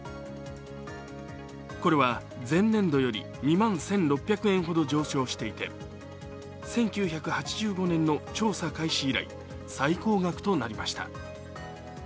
これは前年度より２万１６００円ほど上昇していて、１９８５年の調査開始以来、最高額となりました。